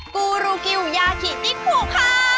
กูรูกิวยาคิติพูค่ะ